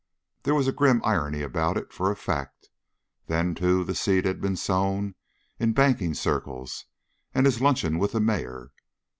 There was a grim irony about it, for a fact. Then, too, the seed he had sown in banking circles, and his luncheon with the mayor!